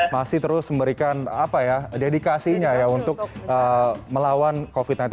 masih terus memberikan dedikasinya ya untuk melawan covid sembilan belas